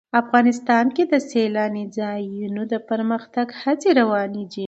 افغانستان کې د سیلانی ځایونه د پرمختګ هڅې روانې دي.